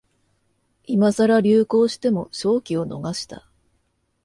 今さら流行しても商機を逃した